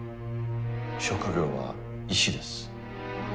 職業は医師です。